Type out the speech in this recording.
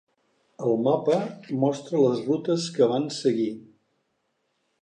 El mapa mostra les rutes que van seguir.